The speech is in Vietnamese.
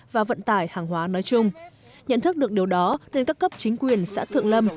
và vận tải hàng hóa nói chung nhận thức được điều đó nên các cấp chính quyền xã thượng lâm